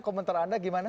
komentar anda gimana